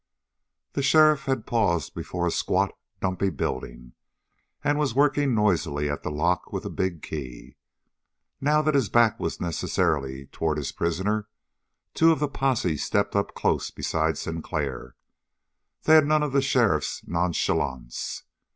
The sheriff had paused before a squat, dumpy building and was working noisily at the lock with a big key. Now that his back was necessarily toward his prisoner, two of the posse stepped up close beside Sinclair. They had none of the sheriff's nonchalance.